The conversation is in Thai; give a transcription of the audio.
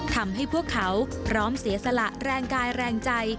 ทำให้พวกเขาพร้อมเสียสละแรงกายแรงใจ